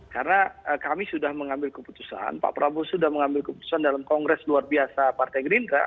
karena kami sudah mengambil keputusan pak prabowo sudah mengambil keputusan dalam kongres luar biasa partai gerindra